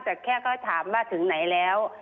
แต่แค่เขาถามว่าถึงไหนแล้ว